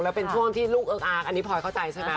แล้วเป็นช่วงที่ลูกเอิ๊กอาร์กอันนี้พลอยเข้าใจใช่ไหม